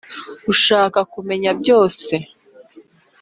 ushaka kumenya byose